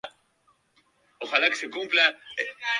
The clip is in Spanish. Es la primera sala de espectáculos del estado.